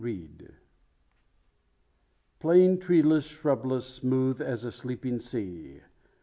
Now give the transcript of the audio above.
PROLOGUE. Plain, treeless, shrubless, smooth as a sleeping sea.